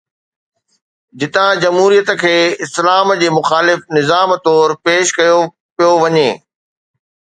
جتان جمهوريت کي اسلام جي مخالف نظام طور پيش ڪيو پيو وڃي.